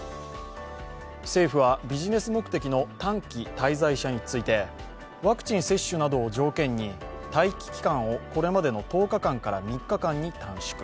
政府はビジネス目的の短期滞在者についてワクチン接種などを条件に待機期間をこれまでの１０日間から３日間に短縮。